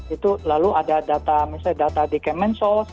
itu lalu ada data misalnya data di kemensos